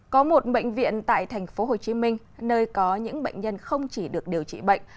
có một bệnh viện tại tp hcm nơi có những bệnh nhân không chỉ được điều trị bệnh